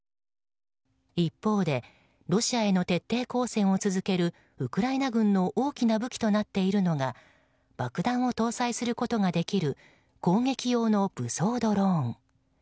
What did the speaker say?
一方でロシアへの徹底抗戦を続けるウクライナ軍の大きな武器となっているのが爆弾を搭載することができる攻撃用の武装ドローン。